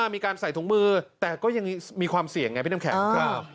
มีการใส่ถุงมือแต่ก็ยังมีความเสี่ยงไงพี่น้ำแข็ง